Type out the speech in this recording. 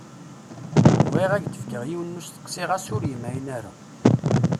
Bɣiɣ ad ak-d-fkeɣ yiwen n usteqsi ɣas ur yemɛin ara.